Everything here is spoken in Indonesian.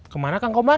kemana kang komar